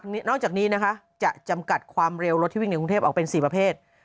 นอกจากนี้จะจำกัดความเร็วรถที่วิ่งไหนการออกเป็น๔ประเภท